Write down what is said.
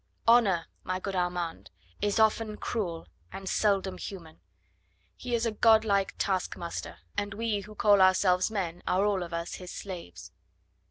"Honour, my good Armand, is often cruel and seldom human. He is a godlike taskmaster, and we who call ourselves men are all of us his slaves."